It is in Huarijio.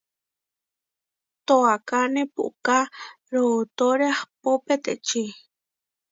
Toákane puʼká rootóre ahpó peteči.